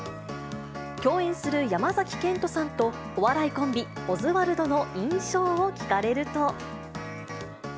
共演する山崎賢人さんとお笑いコンビ、オズワルドの印象を聞かれると。